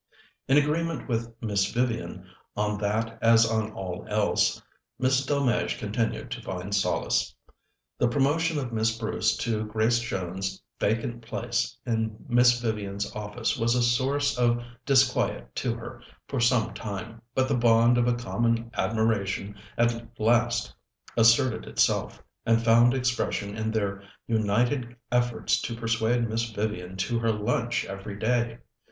In agreement with Miss Vivian, on that as on all else, Miss Delmege continued to find solace. The promotion of Miss Bruce to Grace Jones's vacant place in Miss Vivian's office was a source of disquiet to her for some time, but the bond of a common admiration at last asserted itself, and found expression in their united efforts to persuade Miss Vivian to her lunch every day.